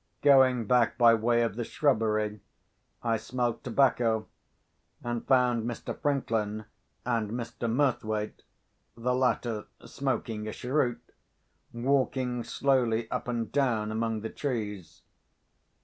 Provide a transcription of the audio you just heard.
Going back by way of the shrubbery, I smelt tobacco, and found Mr. Franklin and Mr. Murthwaite (the latter smoking a cheroot) walking slowly up and down among the trees.